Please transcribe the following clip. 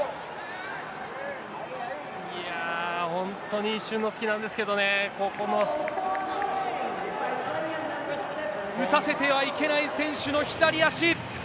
本当に一瞬の隙なんですけどね、打たせてはいけない選手の左足。